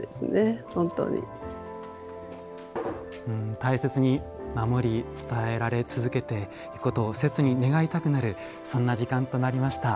大切に守り伝えられ続けていくことを切に願いたくなるそんな時間となりました。